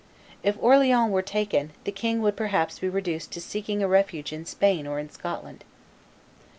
If Orleans were taken, the king would perhaps be reduced to seeking a refuge in Spain or in Scotland.